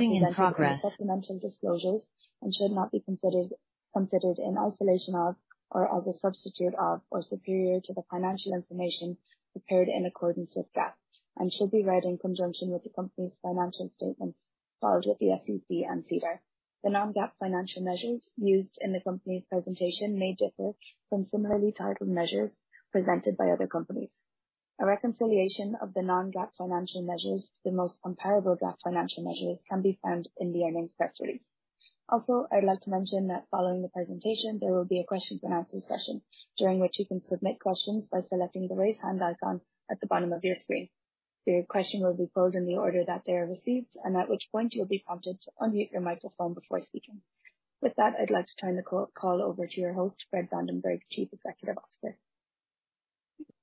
in progress supplemental disclosures and should not be considered in isolation of or as a substitute of, or superior to the financial information prepared in accordance with GAAP, and should be read in conjunction with the company's financial statements filed with the SEC and SEDAR. The non-GAAP financial measures used in the company's presentation may differ from similarly titled measures presented by other companies. A reconciliation of the non-GAAP financial measures to the most comparable GAAP financial measures can be found in the earnings press release. Also, I'd like to mention that following the presentation, there will be a question and answer session, during which you can submit questions by selecting the Raise Hand icon at the bottom of your screen. Your question will be pulled in the order that they are received, and at which point you'll be prompted to unmute your microphone before speaking. With that, I'd like to turn the call over to your host, Fred Vandenberg, Chief Executive Officer.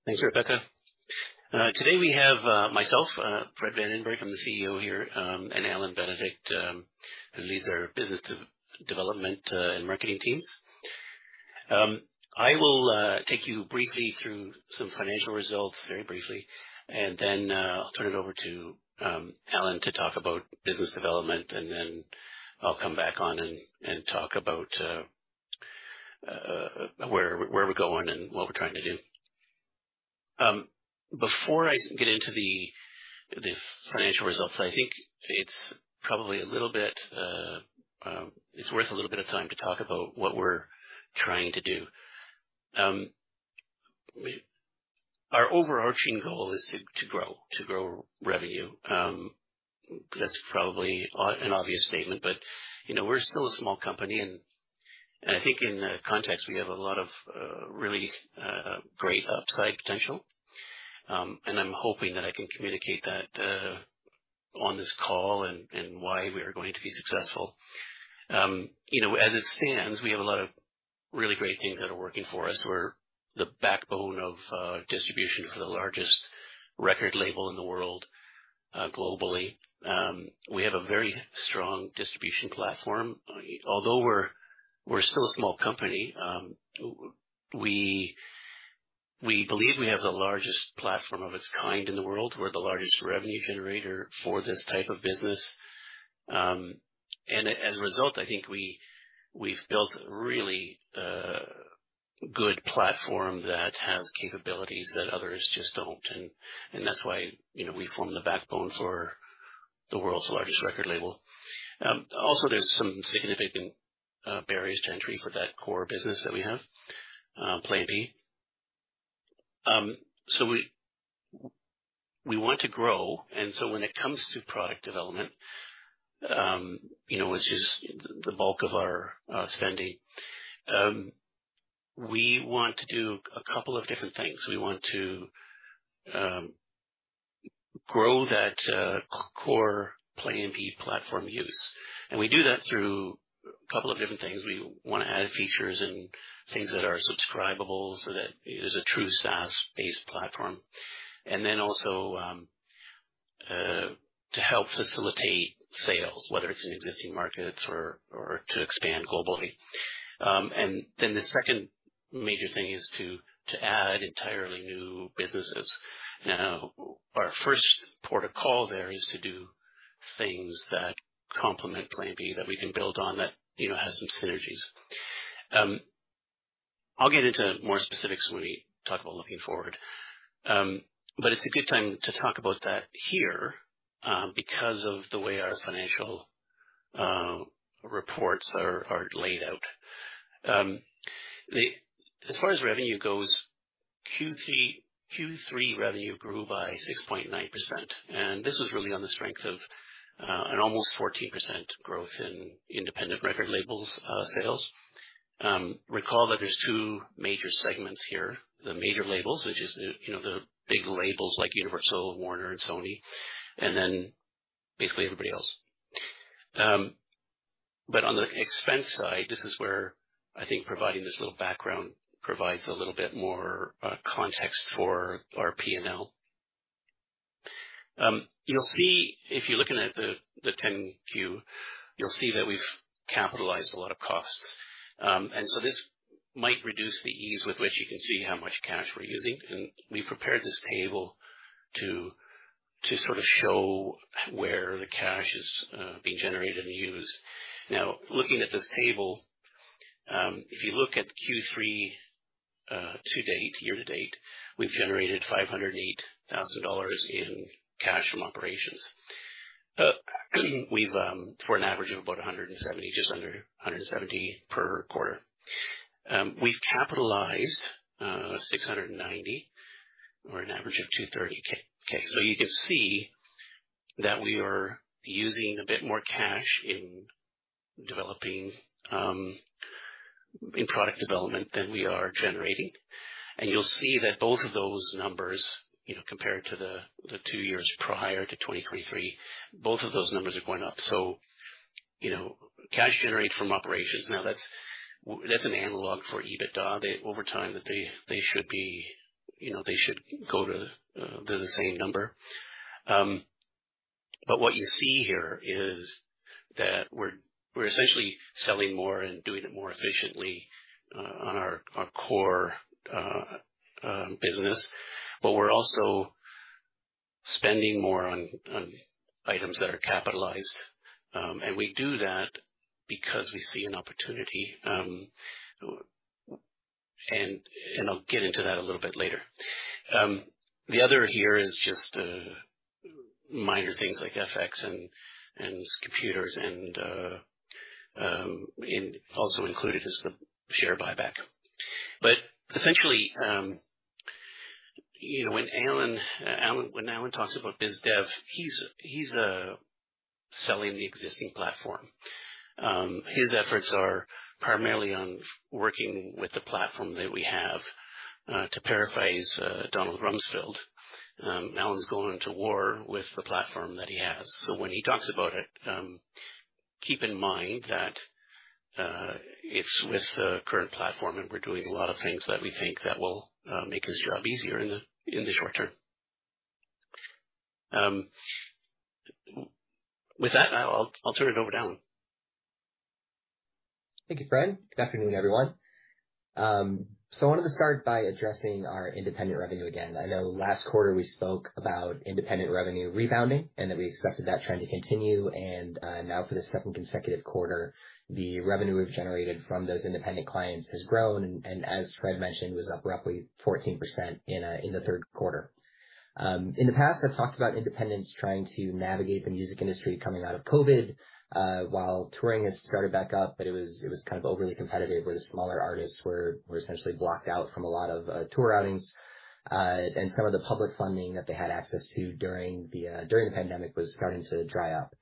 Thanks, Rebecca. Today we have myself, Fred Vandenberg. I'm the CEO here, and Allan Benedict, who leads our business development and marketing teams. I will take you briefly through some financial results, very briefly, and then I'll turn it over to Allan, to talk about business development, and then I'll come back on and talk about where we're going and what we're trying to do. Before I get into the financial results, I think it's probably a little bit. It's worth a little bit of time to talk about what we're trying to do. Our overarching goal is to grow revenue. That's probably an obvious statement, but, you know, we're still a small company, and I think in the context, we have a lot of really great upside potential. I'm hoping that I can communicate that on this call and why we are going to be successful. You know, as it stands, we have a lot of really great things that are working for us. We're the backbone of distribution for the largest record label in the world, globally. We have a very strong distribution platform. Although we're still a small company, we believe we have the largest platform of its kind in the world. We're the largest revenue generator for this type of business. As a result, I think we've built a really good platform that has capabilities that others just don't. That's why, you know, we form the backbone for the world's largest record label. Also, there's some significant barriers to entry for that core business that we have, Play MPE. We want to grow, and so when it comes to product development, you know, which is the bulk of our spending, we want to do a couple of different things. We want to grow that core Play MPE platform use, and we do that through a couple of different things. We wanna add features and things that are subscribable so that it is a true SaaS-based platform. Also, to help facilitate sales, whether it's in existing markets or to expand globally. The second major thing is to add entirely new businesses. Now, our first port of call there is to do things that complement Play MPE, that we can build on that, you know, has some synergies. I'll get into more specifics when we talk about looking forward. It's a good time to talk about that here, because of the way our financial reports are laid out. As far as revenue goes, Q3 revenue grew by 6.9%, and this was really on the strength of an almost 14% growth in independent record labels sales. Recall that there's two major segments here: the major labels, which is the, you know, the big labels like Universal, Warner and Sony, and then basically everybody else. On the expense side, this is where I think providing this little background provides a little bit more context for our PNL. You'll see, if you're looking at the 10-Q, you'll see that we've capitalized a lot of costs. This might reduce the ease with which you can see how much cash we're using, and we prepared this table to sort of show where the cash is being generated and used. Now, looking at this table, if you look at Q3 to date, year to date, we've generated $508,000 in cash from operations. We've. For an average of about $170, just under $170 per quarter. We've capitalized $690, or an average of $230K. You can see that we are using a bit more cash in developing in product development than we are generating. You'll see that both of those numbers, you know, compared to the two years prior to 2023, both of those numbers are going up. You know, cash generated from operations, now that's an analog for EBITDA. Over time, they should be, you know, they should go to the same number. What you see here is. that we're essentially selling more and doing it more efficiently on our core business, but we're also spending more on items that are capitalized. We do that because we see an opportunity, and I'll get into that a little bit later. The other here is just minor things like FX and computers, and also included is the share buyback. Essentially, you know, when Allan talks about biz dev, he's selling the existing platform. His efforts are primarily on working with the platform that we have. To paraphrase Donald Rumsfeld, Allan's going to war with the platform that he has. When he talks about it, keep in mind that, it's with the current platform, and we're doing a lot of things that we think that will, make his job easier in the, in the short term. With that, I'll turn it over to Allan. Thank you, Fred. Good afternoon, everyone. I wanted to start by addressing our independent revenue again. I know last quarter we spoke about independent revenue rebounding and that we expected that trend to continue. Now for the second consecutive quarter, the revenue we've generated from those independent clients has grown, and as Fred mentioned, was up roughly 14% in the Q3. In the past, I've talked about independents trying to navigate the music industry coming out of COVID, while touring has started back up, but it was kind of overly competitive, where the smaller artists were essentially blocked out from a lot of tour routings. Some of the public funding that they had access to during the pandemic was starting to dry up.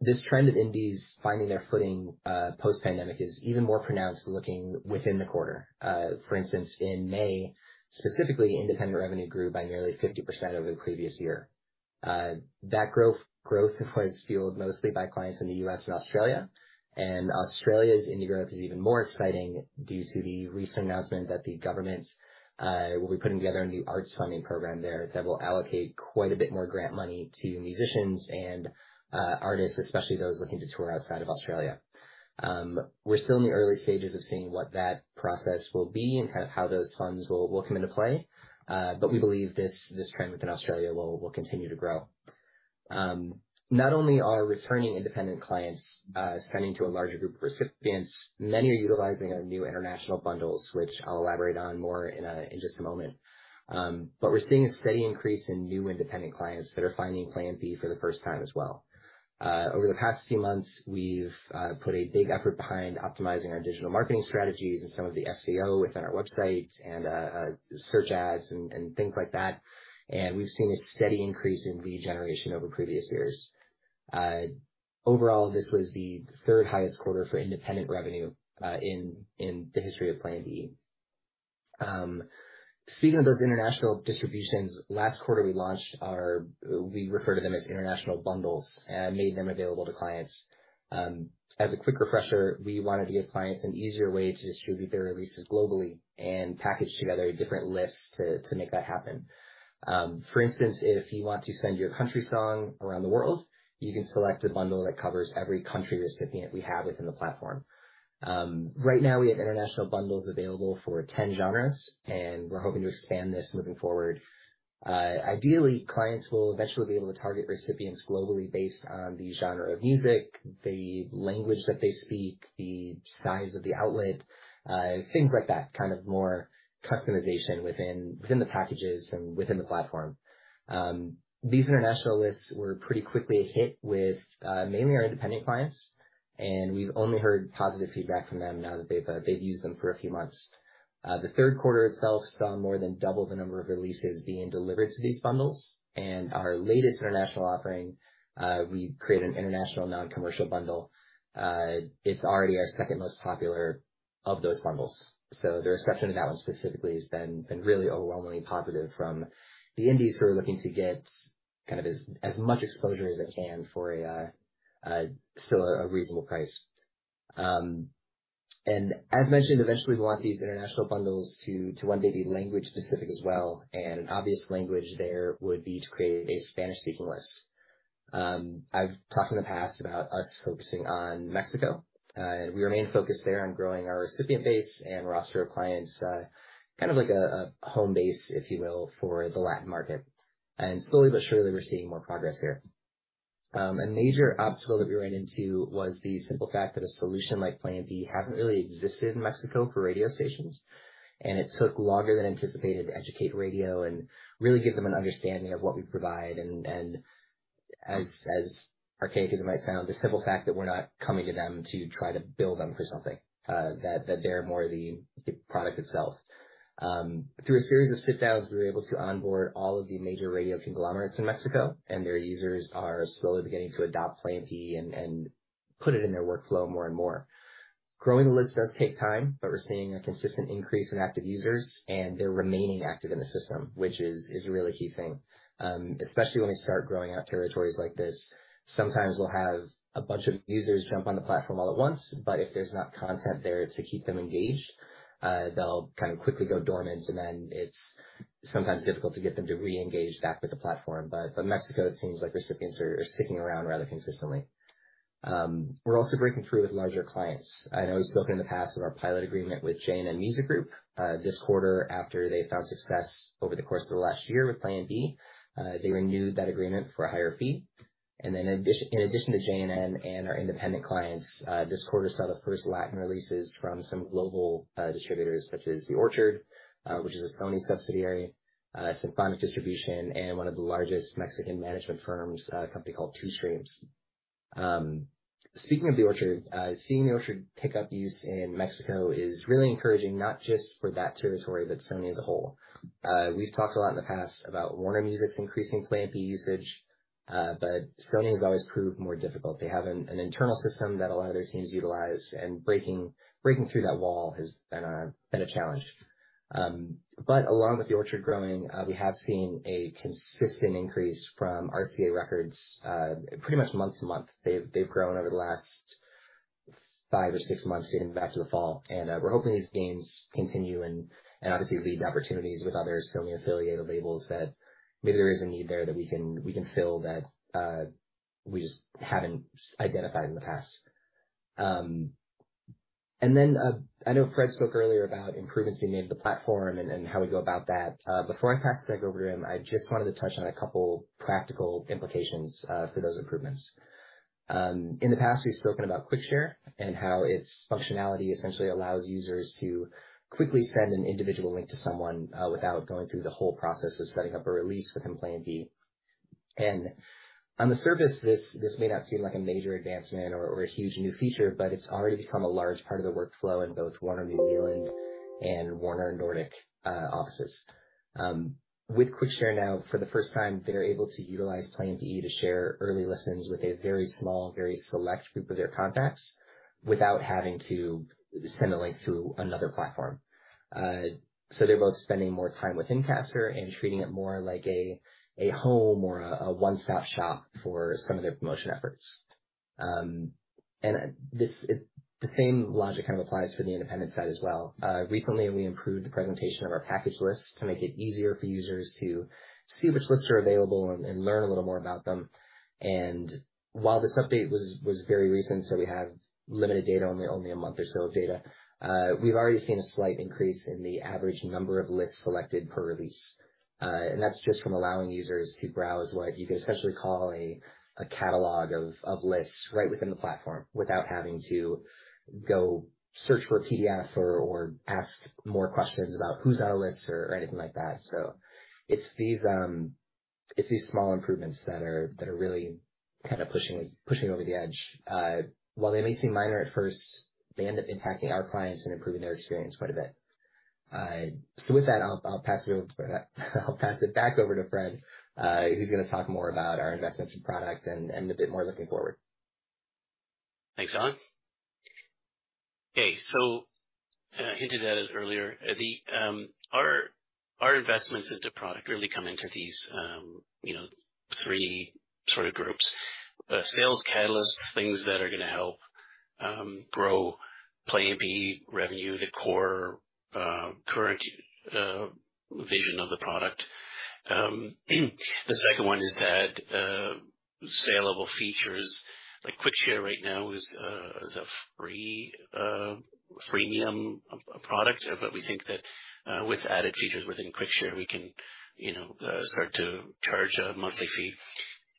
This trend of indies finding their footing, post-pandemic is even more pronounced looking within the quarter. For instance, in May, specifically, independent revenue grew by nearly 50% over the previous year. That growth was fueled mostly by clients in the US and Australia. Australia's indie growth is even more exciting due to the recent announcement that the government, will be putting together a new arts funding program there that will allocate quite a bit more grant money to musicians and artists, especially those looking to tour outside of Australia. We're still in the early stages of seeing what that process will be and kind of how those funds will come into play. We believe this trend within Australia will continue to grow. Not only are returning independent clients sending to a larger group of recipients, many are utilizing our new international bundles, which I'll elaborate on more in just a moment. We're seeing a steady increase in new independent clients that are finding Play MPE for the first time as well. Over the past few months, we've put a big effort behind optimizing our digital marketing strategies and some of the SEO within our website and search ads and things like that. We've seen a steady increase in lead generation over previous years. Overall, this was the third highest quarter for independent revenue in the history of Play MPE. Speaking of those international distributions, last quarter, we launched We refer to them as international bundles and made them available to clients. As a quick refresher, we wanted to give clients an easier way to distribute their releases globally and package together different lists to make that happen. For instance, if you want to send your country song around the world, you can select a bundle that covers every country recipient we have within the platform. Right now, we have international bundles available for 10 genres, and we're hoping to expand this moving forward. Ideally, clients will eventually be able to target recipients globally based on the genre of music, the language that they speak, the size of the outlet, things like that, kind of more customization within the packages and within the platform. These international lists were pretty quickly a hit with mainly our independent clients, and we've only heard positive feedback from them now that they've used them for a few months. The Q3 itself saw more than double the number of releases being delivered to these bundles. Our latest international offering, we created an international non-commercial bundle. It's already our second most popular of those bundles. The reception to that one specifically has been really overwhelmingly positive from the indies who are looking to get as much exposure as they can for a still a reasonable price. As mentioned, eventually, we want these international bundles to one day be language specific as well. An obvious language there would be to create a Spanish-speaking list. I've talked in the past about us focusing on Mexico, and we remain focused there on growing our recipient base and roster of clients, kind of like a home base, if you will, for the Latin market. Slowly but surely, we're seeing more progress here. A major obstacle that we ran into was the simple fact that a solution like Play MPE hasn't really existed in Mexico for radio stations, and it took longer than anticipated to educate radio and really give them an understanding of what we provide. As archaic as it might sound, the simple fact that we're not coming to them to try to bill them for something, that they're more the product itself. Through a series of sit-downs, we were able to onboard all of the major radio conglomerates in Mexico, and their users are slowly beginning to adopt Play MPE and put it in their workflow more and more. Growing the list does take time, but we're seeing a consistent increase in active users, and they're remaining active in the system, which is a really key thing. Especially when we start growing out territories like this, sometimes we'll have a bunch of users jump on the platform all at once, but if there's not content there to keep them engaged, they'll kind of quickly go dormant, and then it's sometimes difficult to get them to re-engage back with the platform. Mexico, it seems like recipients are sticking around rather consistently. We're also breaking through with larger clients. I know we've spoken in the past of our pilot agreement with JN Music Group. This quarter, after they found success over the course of the last year with Play MPE, they renewed that agreement for a higher fee. In addition, in addition to JN and our independent clients, this quarter saw the first Latin releases from some global distributors such as The Orchard, which is a Sony subsidiary, Symphonic Distribution, and one of the largest Mexican management firms, a company called Two Streams. Speaking of The Orchard, seeing The Orchard pick up use in Mexico is really encouraging, not just for that territory, but Sony as a whole. We've talked a lot in the past about Warner Music's increasing Play MPE usage, but Sony has always proved more difficult. They have an internal system that a lot of their teams utilize, and breaking through that wall has been a challenge. But along with The Orchard growing, we have seen a consistent increase from RCA Records, pretty much month-to-month. They've grown over the last five or six months, getting back to the fall. We're hoping these gains continue and obviously lead to opportunities with other Sony-affiliated labels, that maybe there is a need there that we can, we can fill that we just haven't identified in the past. I know Fred spoke earlier about improvements we made to the platform and how we go about that. Before I pass the mic over to him, I just wanted to touch on a couple practical implications for those improvements. In the past, we've spoken about Quickshare and how its functionality essentially allows users to quickly send an individual link to someone, without going through the whole process of setting up a release within Play MPE. On the surface, this may not seem like a major advancement or a huge new feature, but it's already become a large part of the workflow in both Warner New Zealand and Warner Nordic offices. With Quickshare now, for the first time, they're able to utilize Play MPE to share early listens with a very small, very select group of their contacts, without having to send a link through another platform. They're both spending more time within Caster and treating it more like a home or a one-stop shop for some of their promotion efforts. The same logic kind of applies for the independent side as well. Recently, we improved the presentation of our package lists to make it easier for users to see which lists are available and learn a little more about them. While this update was very recent, so we have limited data, only a month or so of data, we've already seen a slight increase in the average number of lists selected per release. That's just from allowing users to browse what you could essentially call a catalog of lists right within the platform, without having to go search for a PDF or ask more questions about who's on a list or anything like that. It's these small improvements that are really kind of pushing it over the edge. While they may seem minor at first, they end up impacting our clients and improving their experience quite a bit. With that, I'll pass it back over to Fred, who's going to talk more about our investments in product and a bit more looking forward. Thanks, Allan. Okay. I hinted at it earlier. Our investments into product really come into these, you know, three sort of groups: sales catalyst, things that are going to help, grow Play MPE revenue, the core, current, vision of the product. The second one is that, saleable features like Quickshare right now is a free, freemium product. We think that, with added features within Quickshare, we can, you know, start to charge a monthly fee.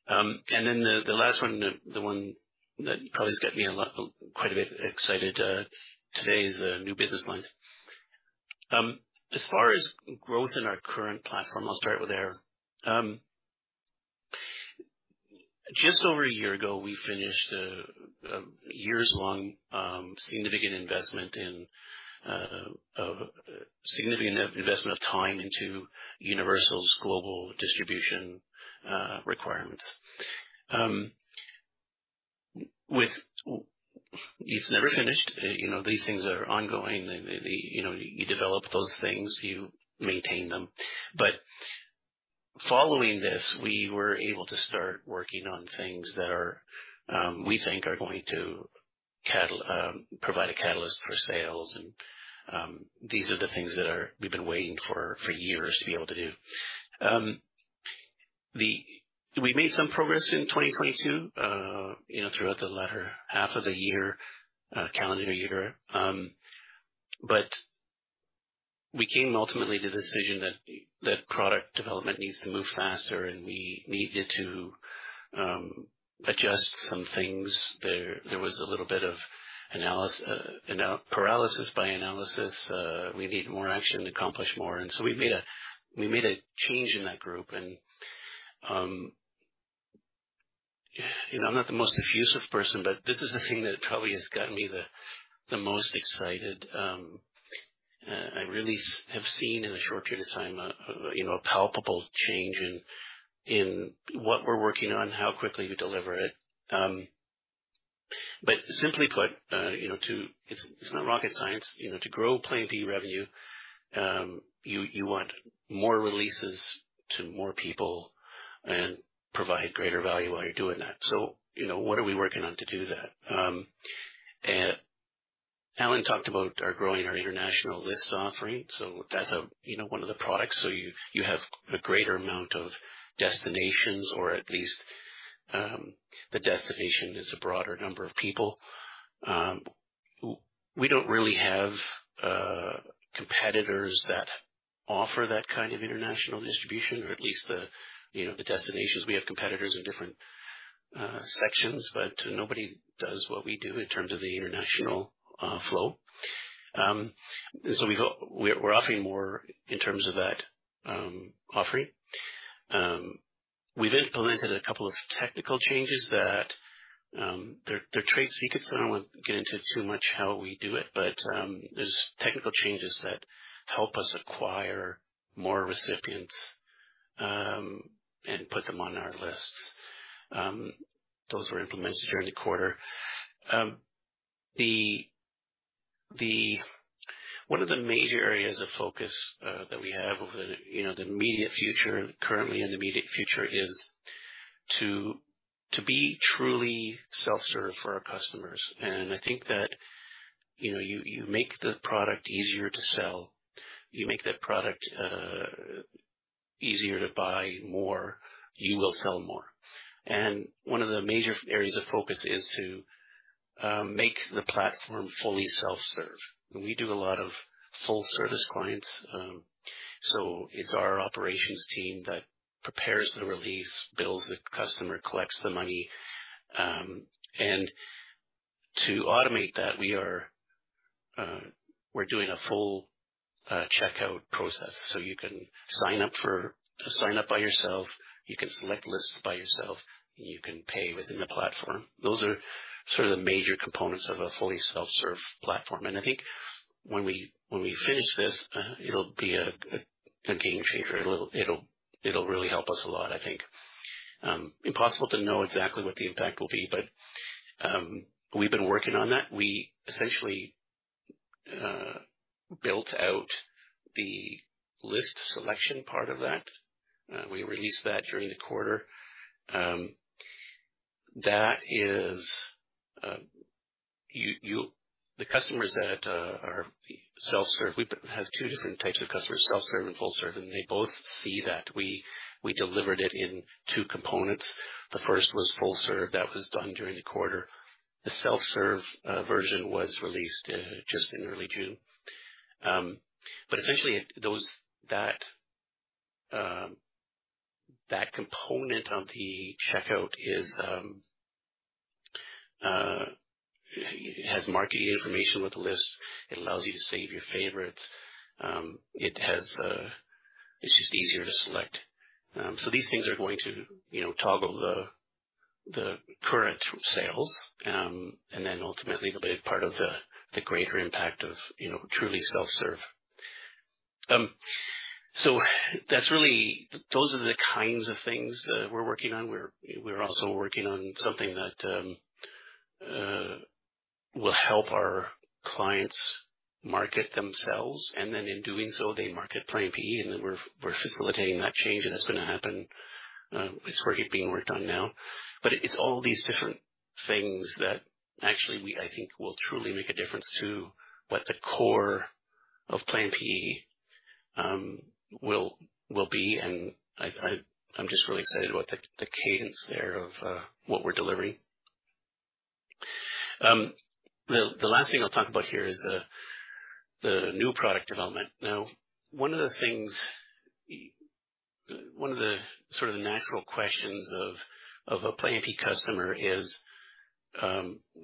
The last one, the one that probably has got me a lot, quite a bit excited, today is new business lines. As far as growth in our current platform, I'll start with there. Just over a year ago, we finished a years-long significant investment of time into Universal's global distribution requirements. It's never finished, you know, these things are ongoing. You know, you develop those things, you maintain them. Following this, we were able to start working on things that are we think are going to provide a catalyst for sales. These are the things that we've been waiting for for years to be able to do. We made some progress in 2022, you know, throughout the latter half of the year, calendar year. We came ultimately to the decision that product development needs to move faster, and we needed to adjust some things. There was a little bit of analysis, you know, paralysis by analysis. We need more action to accomplish more. We made a change in that group. You know, I'm not the most effusive person, but this is the thing that probably has gotten me the most excited. I really have seen in a short period of time, you know, a palpable change in what we're working on, how quickly we deliver it. But simply put, you know. It's not rocket science. You know, to grow Play MPE revenue, you want more releases to more people and provide greater value while you're doing that. You know, what are we working on to do that? Allan talked about our growing our international list offering, so that's a, you know, one of the products. You have a greater amount of destinations, or at least the destination is a broader number of people. We don't really have competitors that offer that kind of international distribution, or at least the, you know, the destinations. We have competitors in different sections, but nobody does what we do in terms of the international flow. We're offering more in terms of that offering. We've implemented a couple of technical changes that they're trade secrets, so I don't want to get into too much how we do it, but there's technical changes that help us acquire more recipients and put them on our lists. Those were implemented during the quarter. One of the major areas of focus that we have over the, you know, the immediate future, currently in the immediate future, is to be truly self-serve for our customers. I think that, you know, you make the product easier to sell, you make that product easier to buy more, you will sell more. One of the major areas of focus is to make the platform fully self-serve. We do a lot of full service clients, so it's our operations team that prepares the release, bills the customer, collects the money. To automate that, we are we're doing a full checkout process, so you can Sign up by yourself, you can select lists by yourself, you can pay within the platform. Those are sort of the major components of a fully self-serve platform. I think when we, when we finish this, it'll be a game changer. It'll really help us a lot, I think. Impossible to know exactly what the impact will be, but we've been working on that. We essentially built out the list selection part of that. We released that during the quarter. That is, The customers that are self-serve, we have two different types of customers, self-serve and full-serve, and they both see that we delivered it in two components. The first was full-serve. That was done during the quarter. The self-serve version was released just in early June. Essentially, those, that component of the checkout is, has marketing information with the list. It allows you to save your favorites. It has. It's just easier to select. These things are going to toggle the current sales, and then ultimately, be part of the greater impact of truly self-serve. That's. Those are the kinds of things we're working on. We're also working on something that will help our clients market themselves, and then in doing so, they market Play MPE, and then we're facilitating that change, and that's going to happen. It's working, being worked on now. It's all these different things that actually we, I think, will truly make a difference to what the core of Play MPE will be, and I'm just really excited about the cadence there of what we're delivering. Well, the last thing I'll talk about here is the new product development. One of the things, one of the sort of the natural questions of a Play MPE customer is,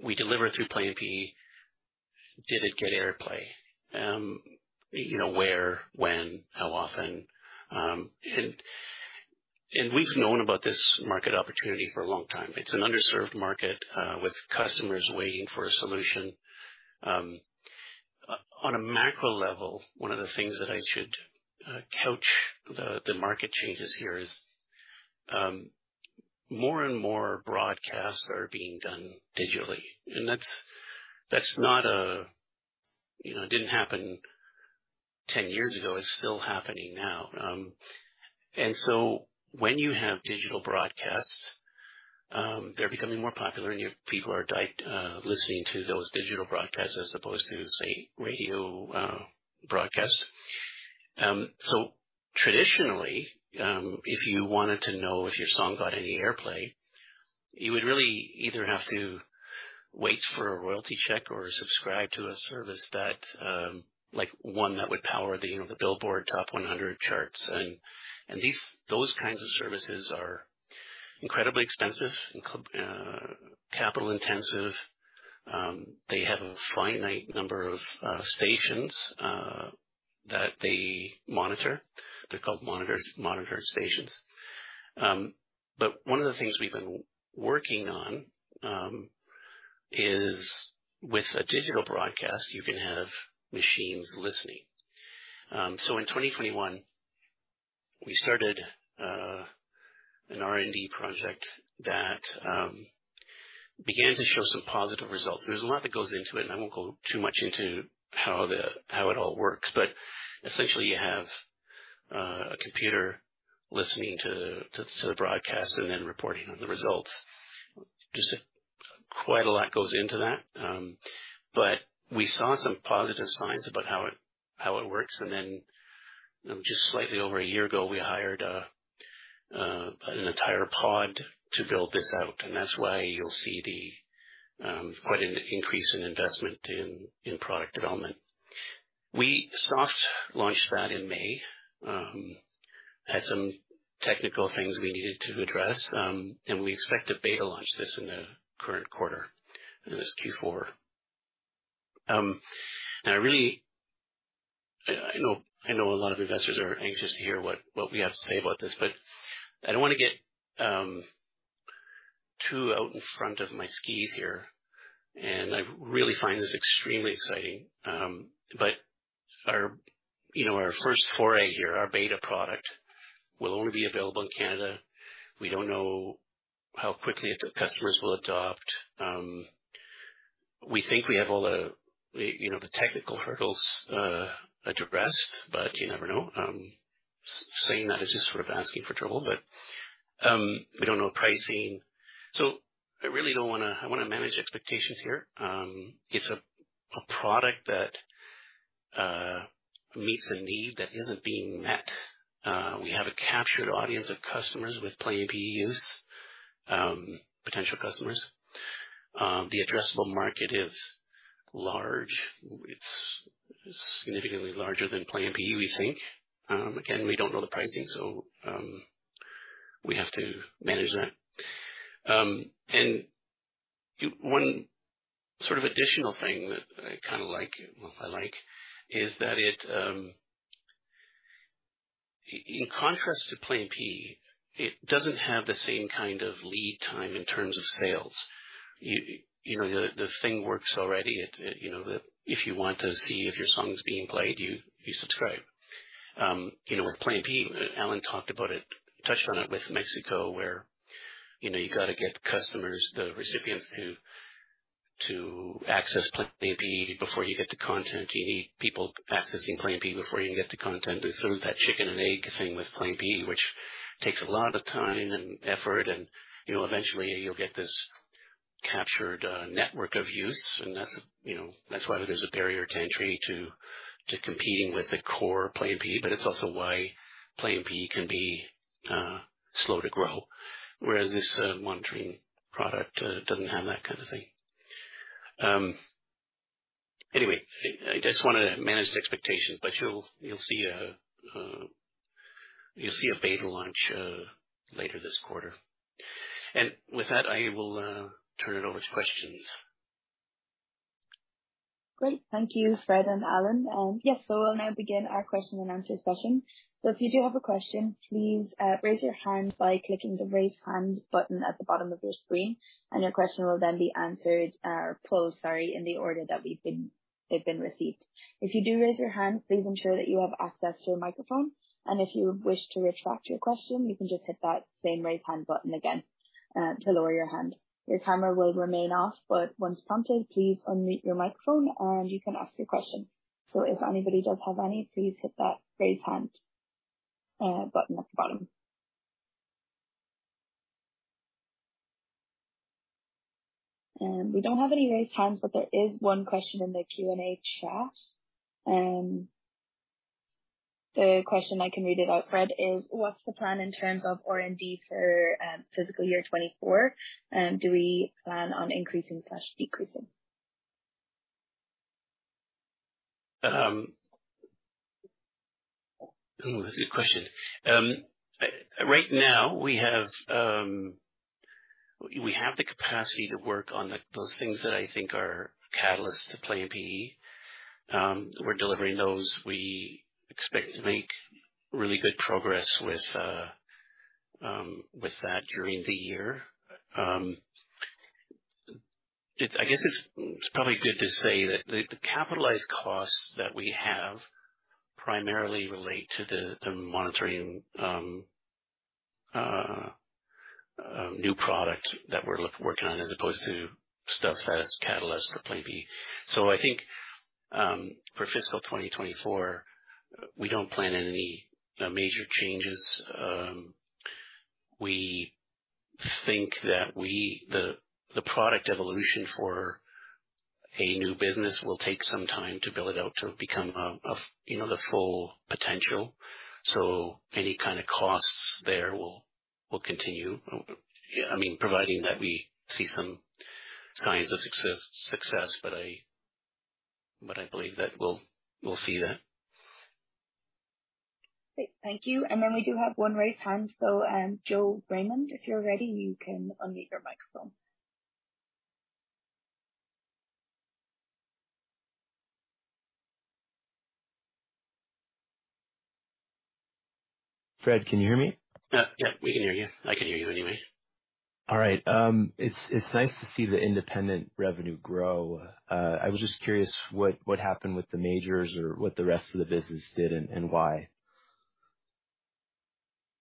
we deliver through Play MPE, did it get airplay? You know, where, when, how often? We've known about this market opportunity for a long time. It's an underserved market with customers waiting for a solution. On a macro level, one of the things that I should couch the market changes here is, more and more broadcasts are being done digitally, and that's not a... You know, it didn't happen 10 years ago, it's still happening now. When you have digital broadcasts, they're becoming more popular, and people are listening to those digital broadcasts as opposed to, say, radio broadcasts. Traditionally, if you wanted to know if your song got any airplay, you would really either have to wait for a royalty check or subscribe to a service that, like one that would power the, you know, the Billboard Hot 100 charts. Those kinds of services are incredibly expensive and capital intensive. They have a finite number of stations that they monitor. They're called monitored stations. One of the things we've been working on is with a digital broadcast, you can have machines listening. In 2021, we started an R&D project that began to show some positive results. There's a lot that goes into it, and I won't go too much into it. How the, how it all works. Essentially, you have a computer listening to the broadcast and then reporting on the results. Just quite a lot goes into that. We saw some positive signs about how it works, and then just slightly over one year ago, we hired an entire pod to build this out, and that's why you'll see quite an increase in investment in product development. We soft launched that in May. Had some technical things we needed to address, and we expect to beta launch this in the current quarter, in this Q4. I know a lot of investors are anxious to hear what we have to say about this. I don't want to get too out in front of my skis here. I really find this extremely exciting. Our, you know, our first foray here, our beta product, will only be available in Canada. We don't know how quickly the customers will adopt. We think we have all the, you know, the technical hurdles addressed, but you never know. Saying that is just sort of asking for trouble, but we don't know pricing. I really don't wanna manage expectations here. It's a product that meets a need that isn't being met. We have a captured audience of customers with Play MPE use, potential customers. The addressable market is large. It's significantly larger than Play MPE, we think. Again, we don't know the pricing, we have to manage that. You one sort of additional thing that I kind of like, well, I like, is that it in contrast to Play MPE, it doesn't have the same kind of lead time in terms of sales. You know, the thing works already. It, you know. If you want to see if your song is being played, you subscribe. You know, with Play MPE, Allan talked about it, touched on it with Mexico, where, you know, you got to get customers, the recipients, to access Play MPE before you get the content. You need people accessing Play MPE before you can get the content. There's sort of that chicken and egg thing with Play MPE, which takes a lot of time and effort. You know, eventually you'll get this captured network of use, and that's, you know, that's why there's a barrier to entry to competing with the core Play MPE, but it's also why Play MPE can be slow to grow, whereas this monitoring product doesn't have that kind of thing. Anyway, I just wanted to manage the expectations, but you'll see a beta launch later this quarter. With that, I will turn it over to questions. Great. Thank you, Fred and Allan. Yes, we'll now begin our question and answer session. If you do have a question, please raise your hand by clicking the Raise Hand button at the bottom of your screen, and your question will then be answered or pulled, sorry, in the order that they've been received. If you do raise your hand, please ensure that you have access to a microphone, and if you wish to retract your question, you can just hit that same Raise Hand button again to lower your hand. Your camera will remain off, but once prompted, please unmute your microphone, and you can ask your question. If anybody does have any, please hit that Raise Hand button at the bottom. We don't have any raised hands, but there is one question in the Q&A chat. The question, I can read it out, Fred, is: What's the plan in terms of R&D for fiscal year 24? Do we plan on increasing/decreasing? Oh, that's a good question. Right now, we have the capacity to work on those things that I think are catalysts to Play MPE. We're delivering those. We expect to make really good progress with that during the year. I guess it's probably good to say that the capitalized costs that we have primarily relate to the monitoring new product that we're working on, as opposed to stuff that is catalyst for Play MPE. I think, for fiscal 2024, we don't plan any major changes. We think that the product evolution for a new business will take some time to build it out to become a, you know, the full potential. Any kind of costs there will continue. Yeah, I mean, providing that we see some signs of success, but I believe that we'll see that. Great. Thank you. We do have one raised hand. Joe Raymond, if you're ready, you can unmute your microphone. Fred, can you hear me? Yeah. Yeah, we can hear you. I can hear you anyway. All right, it's nice to see the independent revenue grow. I was just curious, what happened with the majors or what the rest of the business did and why?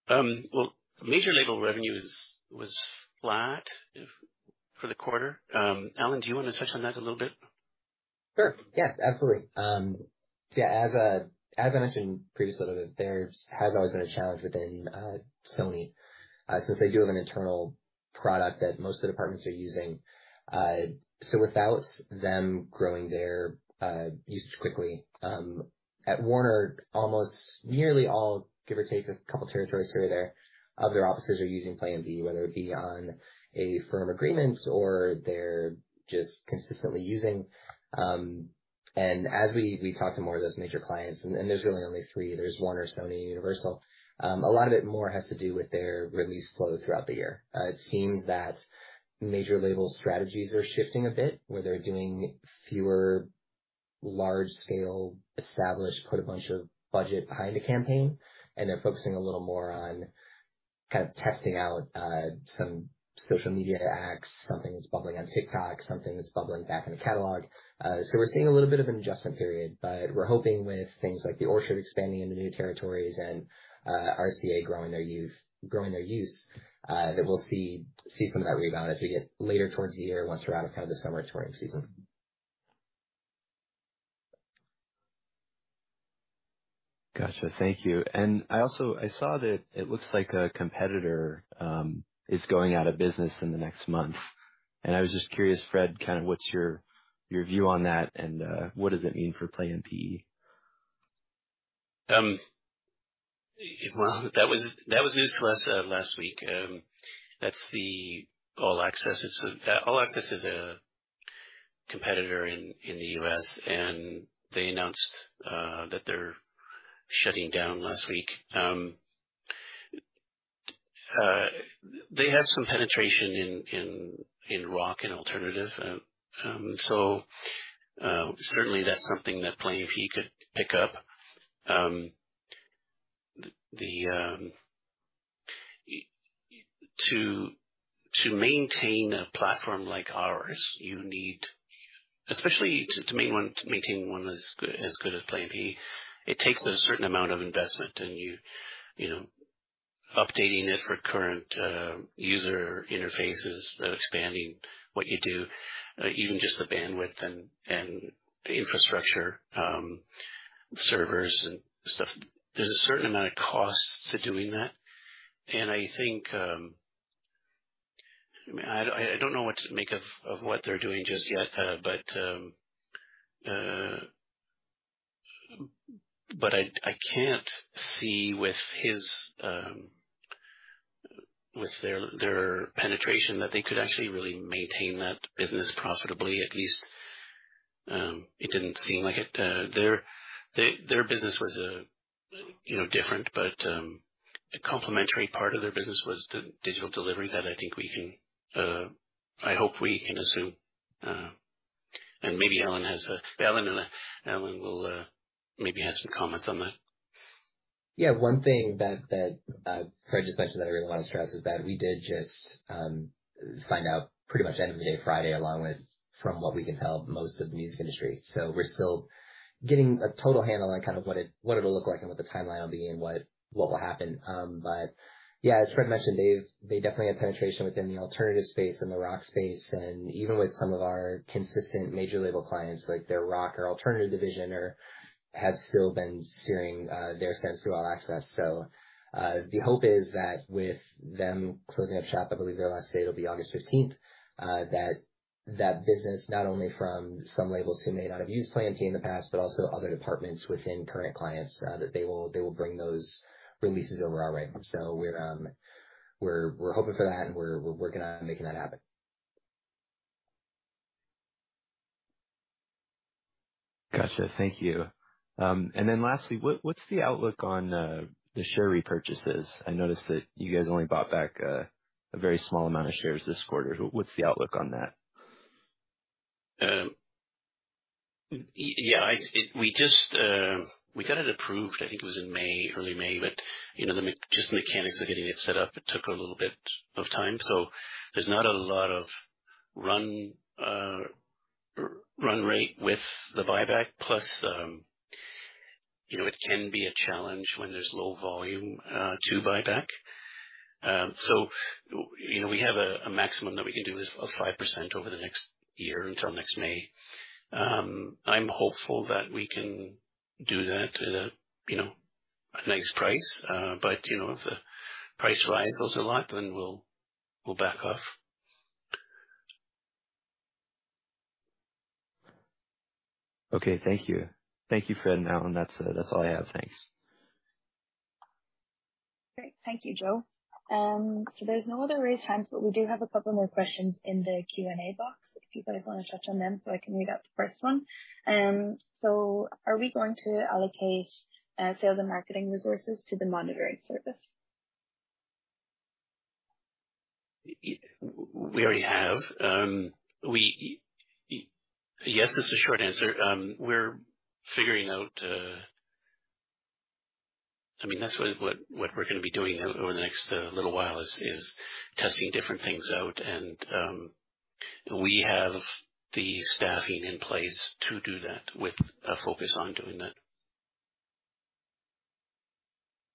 Well, major label revenue is, was flat if, for the quarter. Allan, do you want to touch on that a little bit? Sure. Yeah, absolutely. Yeah, as I, as I mentioned previously, there's always been a challenge within Sony, since they do have an internal product that most of the departments are using. Without them growing their usage quickly, at Warner, almost nearly all, give or take, a couple territories here or there, of their offices are using Play MPE, whether it be on a firm agreement or they're just consistently using. As we talk to more of those major clients, there's really only three, there's Warner, Sony, and Universal. A lot of it more has to do with their release flow throughout the year. It seems that major label strategies are shifting a bit, where they're doing fewer large-scale, established, put a bunch of budget behind a campaign, and they're focusing a little more on kind of testing out some social media hacks, something that's bubbling on TikTok, something that's bubbling back in the catalog. We're seeing a little bit of an adjustment period, but we're hoping with things like The Orchard expanding into new territories and RCA growing their use that we'll see some of that rebound as we get later towards the year, once we're out of kind of the summer touring season. Gotcha. Thank you. I also saw that it looks like a competitor is going out of business in the next month. I was just curious, Fred, kind of, what's your view on that, and what does it mean for Play MPE? Well, that was news to us last week. That's the All Access. All Access is a competitor in the US, and they announced that they're shutting down last week. They have some penetration in rock and alternative. Certainly that's something that Play MPE could pick up. To maintain a platform like ours, you need, especially to maintain one, to maintain one as good as Play MPE, it takes a certain amount of investment. You know, updating it for current user interfaces, expanding what you do, even just the bandwidth and infrastructure, servers and stuff. There's a certain amount of costs to doing that. I think, I don't know what to make of what they're doing just yet, but I can't see with their penetration, that they could actually really maintain that business profitably. At least, it didn't seem like it. Their business was, you know, different, but a complementary part of their business was the digital delivery that I think we can, I hope we can assume. Maybe Allan will maybe have some comments on that. One thing that Fred just mentioned, that I really want to stress, is that we did just find out pretty much end of the day Friday, along with, from what we can tell, most of the music industry. We're still getting a total handle on kind of what it'll look like and what the timeline will be and what will happen. As Fred mentioned, they definitely have penetration within the alternative space and the rock space. Even with some of our consistent major label clients, like their rock or alternative division, have still been steering their sense through All Access. The hope is that with them closing up shop, I believe their last day it'll be August 15th, that business, not only from some labels who may not have used Play MPE in the past, but also other departments within current clients, that they will bring those releases over our way. We're hoping for that, and we're working on making that happen. Gotcha. Thank you. Then lastly, what's the outlook on the share repurchases? I noticed that you guys only bought back a very small amount of shares this quarter. What's the outlook on that? Yeah, we just, we got it approved, I think it was in May, early May. You know, the just mechanics of getting it set up, it took a little bit of time. There's not a lot of run rate with the buyback. You know, it can be a challenge when there's low volume to buy back. You know, we have a maximum that we can do of 5% over the next year, until next May. I'm hopeful that we can do that at a nice price. You know, if the price rises a lot, we'll back off. Okay. Thank you. Thank you, Fred and Allan. That's all I have. Thanks. Great. Thank you, Joe. There's no other raised hands, but we do have a couple more questions in the Q&A box, if you guys want to touch on them so I can read out the first one. Are we going to allocate sales and marketing resources to the monitoring service? We already have. We, Yes, is the short answer. We're figuring out... I mean, that's what we're going to be doing over the next little while, is testing different things out and... We have the staffing in place to do that with a focus on doing that.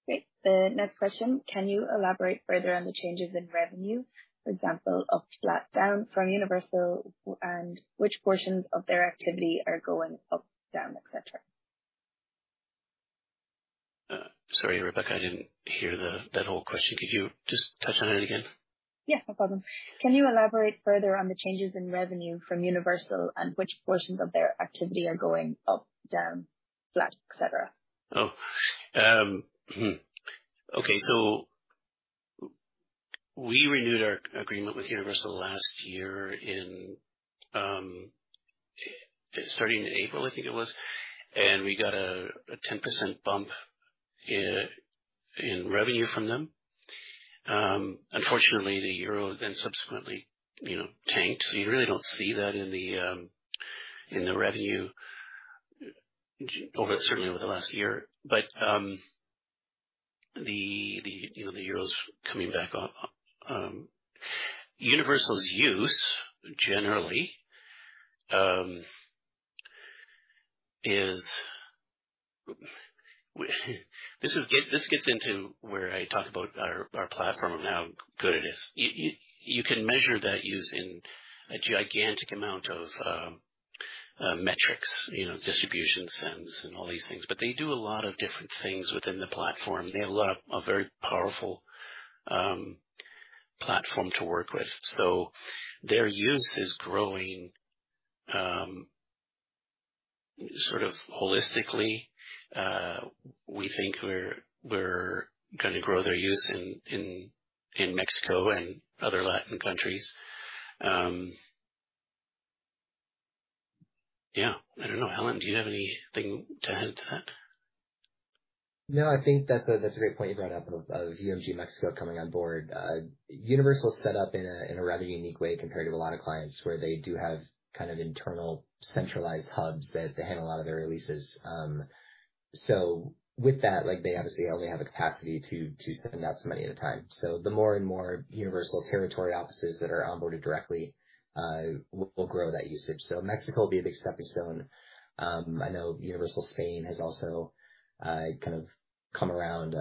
Great. The next question: Can you elaborate further on the changes in revenue, for example, up, flat, down from Universal, and which portions of their activity are going up, down, et cetera? Sorry, Rebecca, I didn't hear that whole question. Could you just touch on it again? Yeah, no problem. Can you elaborate further on the changes in revenue from Universal and which portions of their activity are going up, down, flat, et cetera? Okay. We renewed our agreement with Universal last year in starting in April, I think it was, and we got a 10% bump in revenue from them. Unfortunately, the EUR then subsequently, you know, tanked, so you really don't see that in the revenue over, certainly over the last year. The, you know, the EUR's coming back up. Universal's use, generally, is. This gets into where I talk about our platform and how good it is. You can measure that using a gigantic amount of metrics, you know, distribution sends and all these things, but they do a lot of different things within the platform. They have a lot of a very powerful platform to work with. Their use is growing, sort of holistically. We think we're gonna grow their use in Mexico and other Latin countries. Yeah, I don't know. Allan, do you have anything to add to that? No, I think that's a great point you brought up of UMG México coming on board. Universal's set up in a rather unique way compared to a lot of clients, where they do have kind of internal centralized hubs that they handle a lot of their releases. With that, like, they obviously only have the capacity to send out so many at a time. The more and more Universal territory offices that are onboarded directly, will grow that usage. Mexico will be a big stepping stone. I know Universal Spain has also kind of come around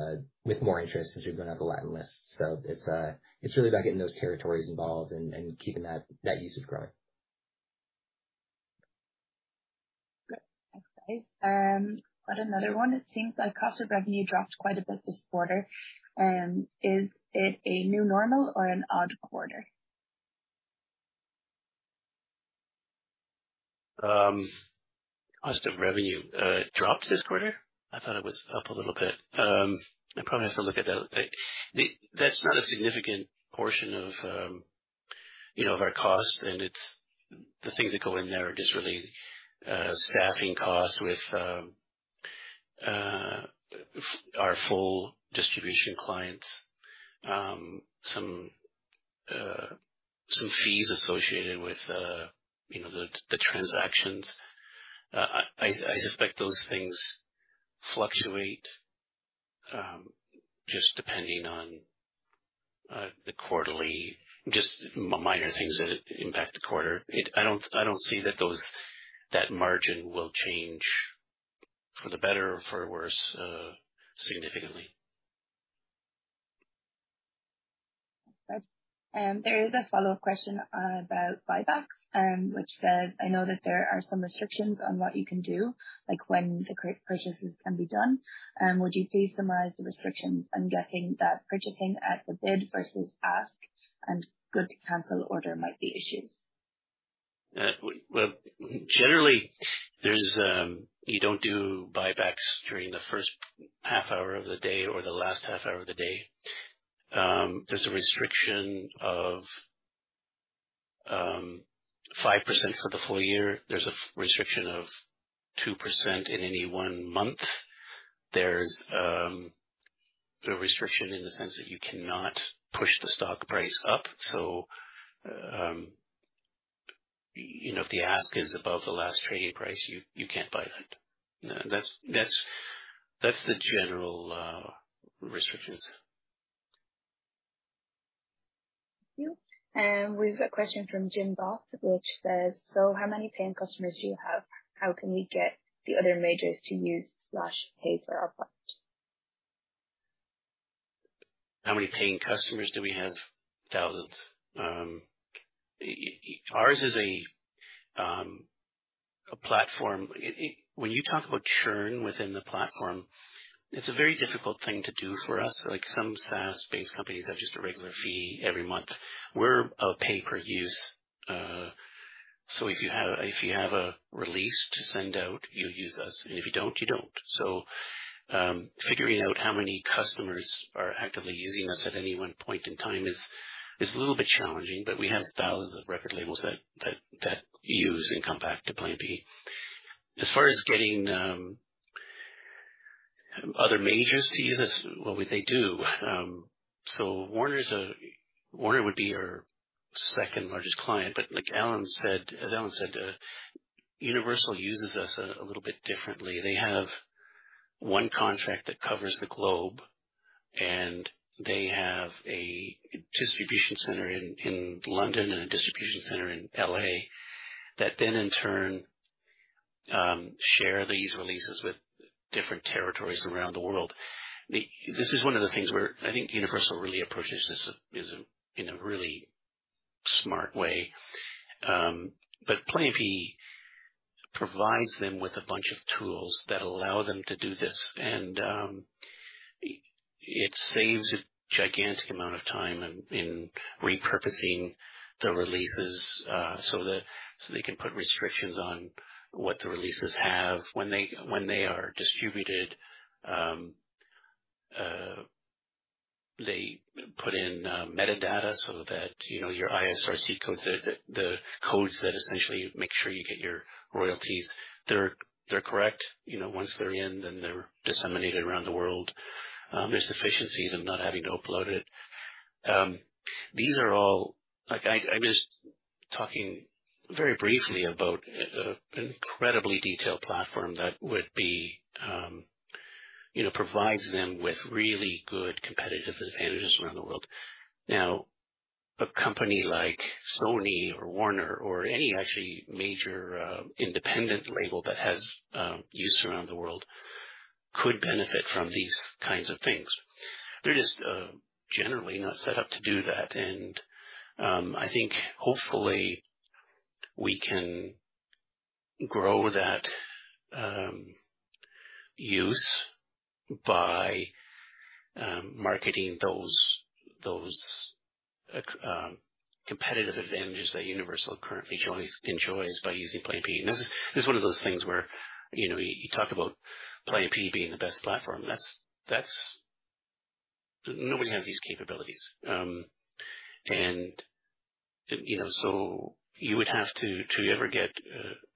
with more interest as we're going up the Latin list. It's really about getting those territories involved and keeping that usage growing. Good. Thanks, guys. got another one. It seems like cost of revenue dropped quite a bit this quarter. Is it a new normal or an odd quarter? Cost of revenue dropped this quarter? I thought it was up a little bit. I probably have to look at that. That's not a significant portion of, you know, of our costs, and it's, the things that go in there are just really staffing costs with our full distribution clients. Some, some fees associated with, you know, the transactions. I suspect those things fluctuate, just depending on minor things that impact the quarter. I don't, I don't see that those, that margin will change for the better or for the worse, significantly. There is a follow-up question about buybacks, which says: I know that there are some restrictions on what you can do, like when purchases can be done. Would you please summarize the restrictions? I'm guessing that purchasing at the bid versus ask and good to cancel order might be issues. Well, generally, there's, you don't do buybacks during the H1 hour of the day or the last half hour of the day. There's a restriction of 5% for the full year. There's a restriction of 2% in any one month. There's a restriction in the sense that you cannot push the stock price up. You know, if the ask is above the last trading price, you can't buy that. That's the general restrictions. Thank you. We've got a question from Jim Bott, which says: How many paying customers do you have? How can we get the other majors to use/pay for our product? How many paying customers do we have? Thousands. Yours is a platform... When you talk about churn within the platform, it's a very difficult thing to do for us. Like, some SaaS-based companies have just a regular fee every month. We're a pay-per-use, so if you have, if you have a release to send out, you use us, and if you don't, you don't. Figuring out how many customers are actively using us at any one point in time is a little bit challenging, but we have thousands of record labels that use and come back to Play MPE. As far as getting other majors to use us, well, they do. Warner would be our second largest client, but like Allan said, as Allan said, Universal uses us a little bit differently. They have one contract that covers the globe, and they have a distribution center in London and a distribution center in L.A., that then in turn, share these releases with different territories around the world. This is one of the things where I think Universal really approaches this, is in a really smart way. Play MPE provides them with a bunch of tools that allow them to do this, and, it saves a gigantic amount of time in repurposing the releases, so that, so they can put restrictions on what the releases have. When they, when they are distributed, they put in, metadata so that, you know, your ISRC codes, the, the codes that essentially make sure you get your royalties, they're correct. You know, once they're in, then they're disseminated around the world. There's efficiencies of not having to upload it. These are all... Like, I'm just talking very briefly about an incredibly detailed platform that would be, you know, provides them with really good competitive advantages around the world. Now, a company like Sony or Warner or any actually major independent label that has use around the world could benefit from these kinds of things. They're just generally not set up to do that, and I think hopefully we can grow that use by marketing those competitive advantages that Universal currently enjoys by using Play MPE. This is one of those things where, you know, you talk about Play MPE being the best platform. That's Nobody has these capabilities. You know, you would have to ever get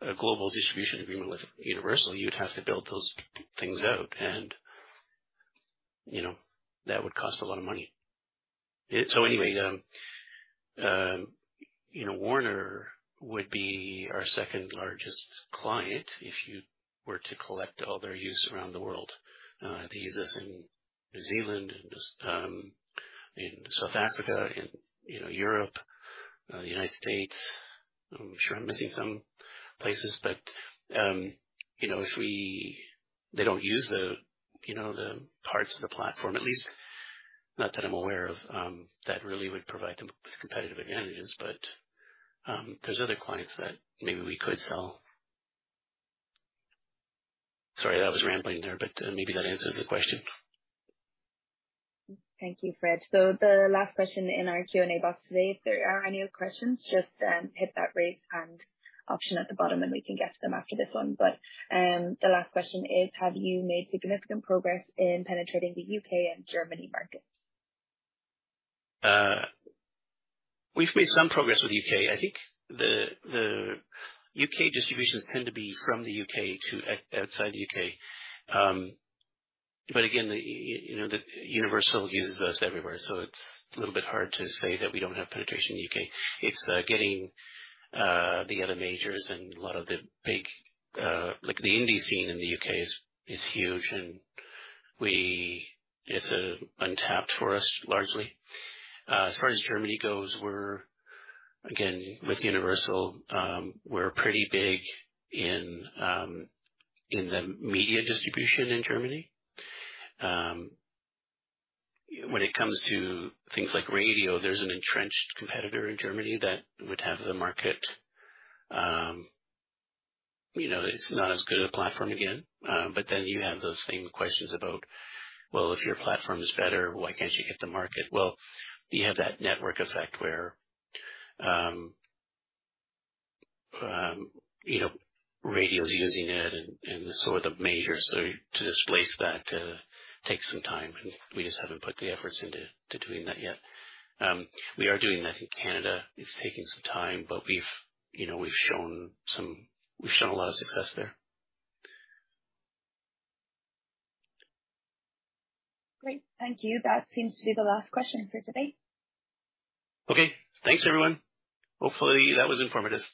a global distribution agreement with Universal, you would have to build those things out, you know, that would cost a lot of money. You know, Warner would be our second largest client if you were to collect all their use around the world. They use us in New Zealand and in South Africa, in, you know, Europe, the United States. I'm sure I'm missing some places. You know, they don't use the, you know, the parts of the platform, at least not that I'm aware of, that really would provide them with competitive advantages. There's other clients that maybe we could sell. Sorry, I was rambling there. Maybe that answers the question. Thank you, Fred. The last question in our Q&A box today, if there are any other questions, just hit that raise hand option at the bottom, and we can get to them after this one. The last question is: Have you made significant progress in penetrating the U.K. and Germany markets? We've made some progress with U.K. I think the U.K. distributions tend to be from the U.K. to outside the U.K. Again, you know, Universal uses us everywhere, so it's a little bit hard to say that we don't have penetration in the U.K. It's getting the other majors and a lot of the big like the indie scene in the U.K. is huge, and it's untapped for us, largely. As far as Germany goes, we're again, with Universal, we're pretty big in the media distribution in Germany. When it comes to things like radio, there's an entrenched competitor in Germany that would have the market. You know, it's not as good a platform again. You have those same questions about, Well, if your platform is better, why can't you get the market? Well, you have that network effect where, you know, radio is using it and so are the majors. To displace that takes some time, and we just haven't put the efforts into, to doing that yet. We are doing that in Canada. It's taking some time, but we've, you know, we've shown a lot of success there. Great. Thank you. That seems to be the last question for today. Okay. Thanks, everyone. Hopefully, that was informative.